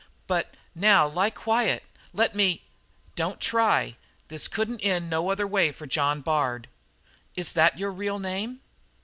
But now lie quiet; let me " "Don't try. This couldn't end no other way for John Bard." "Is that your real name?"